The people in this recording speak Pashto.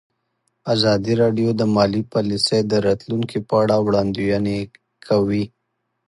ازادي راډیو د مالي پالیسي د راتلونکې په اړه وړاندوینې کړې.